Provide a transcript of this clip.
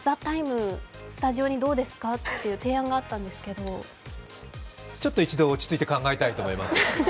スタジオにどうですかという提案があったんですけどちょっと一度落ち着いて考えたいと思います。